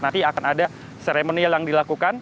nanti akan ada seremonial yang dilakukan